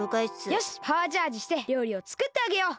よしパワーチャージしてりょうりをつくってあげよう。